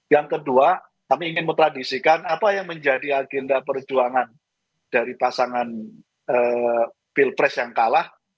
yang kedua kami ingin metradisikan apa yang menjadi agenda perjuangan dari pasangan pilpres yang kalah